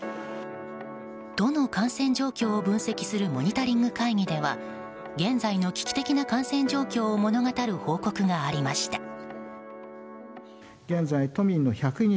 都の感染状況を分析するモニタリング会議では現在の危機的な感染状況を物語る報告がありました。